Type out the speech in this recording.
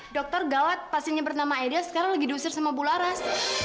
dokter gawat pasirnya bernama aida sekarang lagi diusir sama bularas